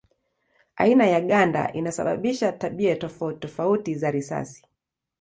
Aina ya ganda inasababisha tabia tofauti tofauti za risasi.